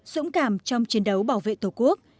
dũng cảm trong chiến đấu bảo vệ tổ quốc